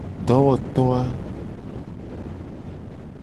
Dowoto a.